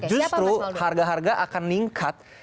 justru harga harga akan meningkat